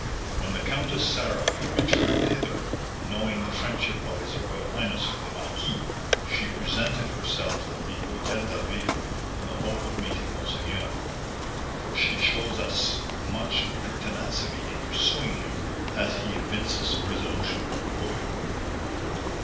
When the Countess Sarah returned hither, knowing the friendship of his royal highness for the marquis, she presented herself at the Hotel d'Harville, in the hope of meeting monseigneur; for she shows as much pertinacity in pursuing him as he evinces resolution to avoid her."